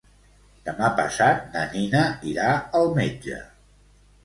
Demà passat na Nina irà al metge.